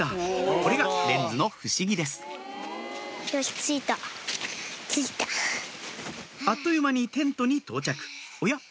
これがレンズの不思議ですあっという間にテントに到着おや？